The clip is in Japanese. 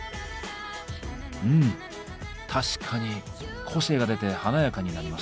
うん確かに個性が出て華やかになりますね。